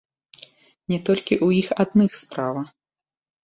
Не толькі ў іх адных справа.